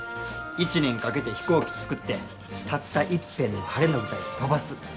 一年かけて飛行機作ってたったいっぺんの晴れの舞台で飛ばす。